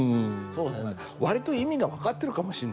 割と意味が分かってるかもしんないよね。